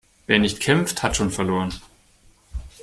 Wer nicht kämpft, hat schon verloren.